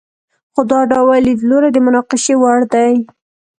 خو دا ډول لیدلوری د مناقشې وړ دی.